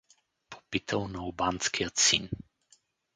попитал налбантският син.